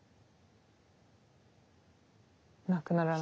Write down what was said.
なくならない。